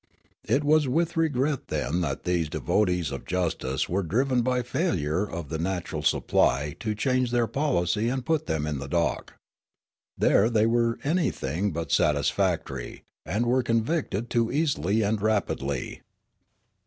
It was with regret then that these devotees of justice were driven by failure of the natural supply to change their policy and put them in the dock. There they were anything but satisfactory, and were convicted too easily and rapidly.